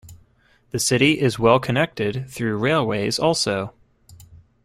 The city is well connected through railways also.